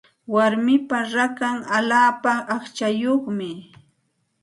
Warmipa rakan allaapa aqchayuqmi.